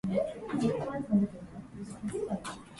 バイーア州の州都はサルヴァドールである